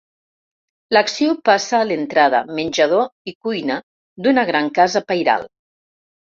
L'acció passa a l'entrada, menjador i cuina d'una gran casa pairal.